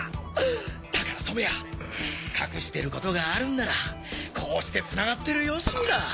だから染谷隠してることがあるんならこうしてつながってるよしみだ。